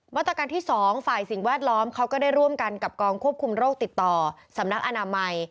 มาตรการที่๒ฝ่ายสิ่งแวดล้อมเขาก็ได้ร่วมกันกับกองควบคุมโรคติดต่อสำนักอนามัย